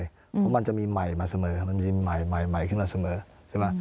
เพราะมันจะมีใหม่มาเสมอมันมีใหม่ใหม่ขึ้นมาเสมอใช่ไหม